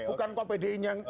tidak konsen kalau pdi nya